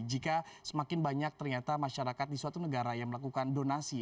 jika semakin banyak ternyata masyarakat di suatu negara yang melakukan donasi